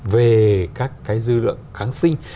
về các cái dư lượng kháng sinh